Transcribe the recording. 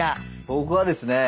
僕はですね